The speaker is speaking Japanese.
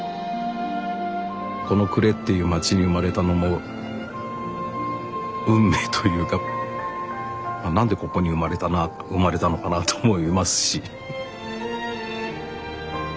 この呉っていう街に生まれたのも運命というか何でここに生まれたのかなと思いますし。